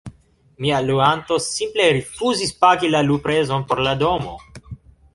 mia luanto simple rifuzis pagi la luprezon por la domo